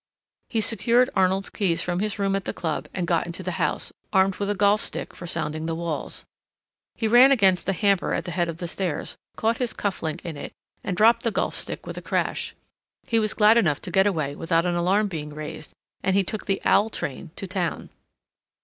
He secured Arnold's keys from his room at the club and got into the house, armed with a golf stick for sounding the walls. He ran against the hamper at the head of the stairs, caught his cuff link in it, and dropped the golf stick with a crash. He was glad enough to get away without an alarm being raised, and he took the "owl" train to town.